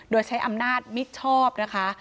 โดยใช้อำนาจมิชชอบนะคะ